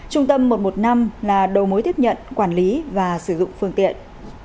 trung tâm một trăm một mươi năm là đầu mối tiếp nhận quản lý và sử dụng phương tiện